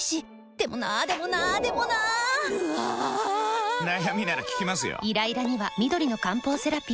でもなーでもなーでもなーぬあぁぁぁー！！！悩みなら聞きますよ。